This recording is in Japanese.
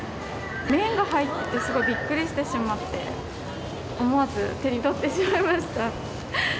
麺が入って、すごいびっくりしてしまって、思わず手に取ってしまいました。